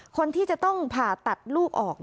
คนที่จะต้องผ่าตัดลูกออก